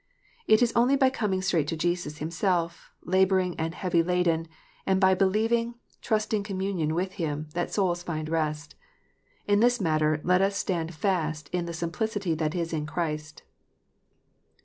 It is only by coming straight to Jesus Himself, labour ing and heavy laden, and by believing, trusting communion with Him, that souls find rest. In this matter let iis stand fast in " the simplicity that is in Christ."